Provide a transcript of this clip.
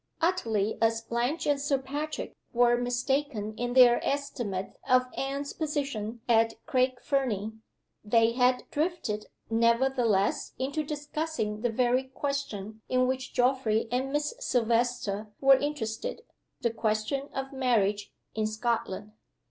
Utterly as Blanche and Sir Patrick were mistaken in their estimate of Anne's position at Craig Fernie, they had drifted, nevertheless, into discussing the very question in which Geoffrey and Miss Silvester were interested the question of marriage in Scotland.